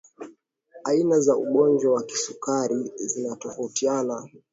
aina za ugonjwa wa kisukari zinatofautiana